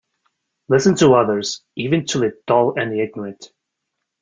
Listen to others, even to the dull and the ignorant